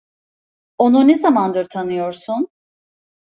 Onu ne zamandır tanıyorsun?